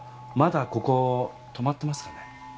まだここ泊まってますかね？